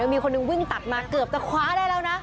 มีคนหนึ่งวิ่งตัดมาเกือบจะคว้าได้แล้วนะ